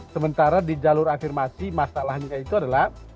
sementara di jalur afirmasi masalahnya itu adalah